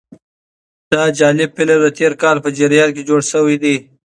دا جالب فلم د تېر کال په جریان کې جوړ شوی دی.